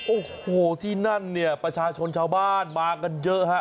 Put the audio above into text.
โอ้โหที่นั่นเนี่ยประชาชนชาวบ้านมากันเยอะฮะ